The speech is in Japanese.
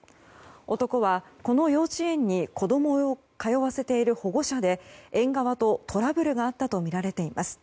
男は、この幼稚園に子供を通わせている保護者で園側とトラブルがあったとみられています。